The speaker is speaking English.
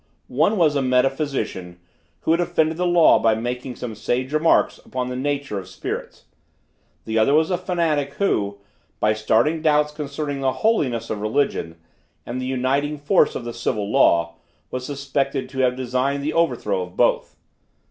One was a metaphysician, who had offended the law by making some sage remarks upon the nature of spirits; the other was a fanatic, who, by starting doubts concerning the holiness of religion and the uniting force of the civil law, was suspected to have designed the overthrow of both.